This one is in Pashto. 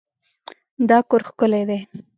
دا کور ښکلی دی.